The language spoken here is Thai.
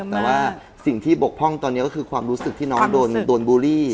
แต่ว่าสิ่งที่บกพร่องตอนนี้ก็คือความรู้สึกที่น้องโดนบูลลี่